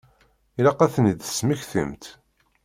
Ilaq ad ten-id-tesmektimt.